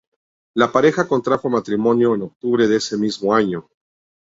La pareja contrajo matrimonio en octubre de ese mismo año.